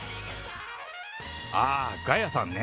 あー、ガヤさんね。